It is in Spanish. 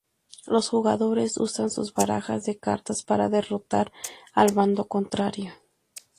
Los jugadores usan sus barajas de cartas para derrotar al bando contrario.